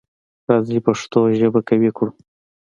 راځی پښتو ژبه قوي کړو.